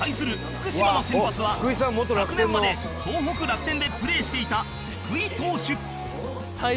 福島の先発は昨年まで東北楽天でプレーしていた福井投手